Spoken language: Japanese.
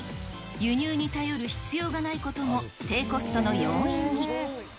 輸入に頼る必要がないことも、低コストの要因に。